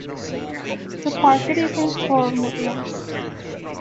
The quartet is in four movements.